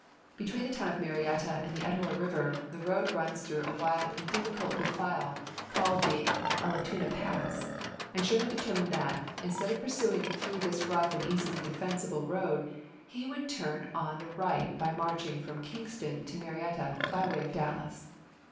Between the town of Marietta and the Etowah River the road runs through a wild and difficult defile called the Allatoona Pass, and Sherman determined that, instead of pursuing through this rough and easily defensible road, he would turn it on the right by marching from King ston to Marietta by way of Dallas.